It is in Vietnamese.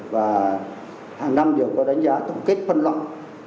và hàng năm đều có đánh giá tổng kết phân loại